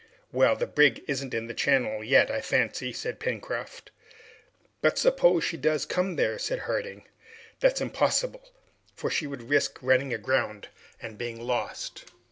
"Well, the brig isn't in the channel yet, I fancy!" said Pencroft. "But suppose she does come there?" said Harding. "That's impossible, for she would risk running aground and being lost!"